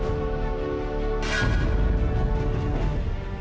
bapak sudah menerima